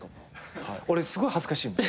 俺すごい恥ずかしいもん。